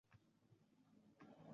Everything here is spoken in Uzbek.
Haftada kel, mayli, o’lmayman.